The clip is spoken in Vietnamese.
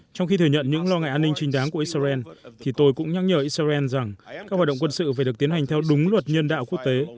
trong khi thừa nhận những lo ngại an ninh trinh đáng của israel thì tôi cũng nhắc nhở israel rằng các hoạt động quân sự phải được tiến hành theo đúng luật nhân đạo quốc tế